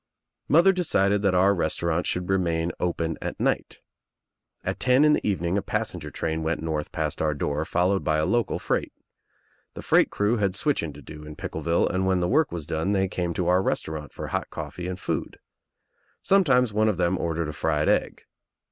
Mother decided that our restaurant should remain open at night. At ten in the evening a passenger train went north past our door followed by a local freight. The freight crew had switching to do in Pickleville and when the work was done they came to our restaurant for hot coffee and food. Some times one of them ordered a fried egg.